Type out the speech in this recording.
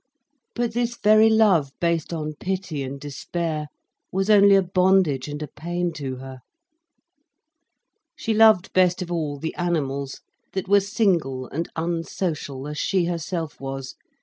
But this very love, based on pity and despair, was only a bondage and a pain to her. She loved best of all the animals, that were single and unsocial as she herself was.